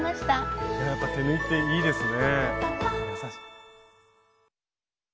やっぱり手縫いっていいですね。